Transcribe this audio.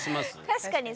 確かに。